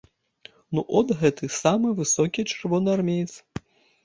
Ну от гэты самы высокі чырвонаармеец.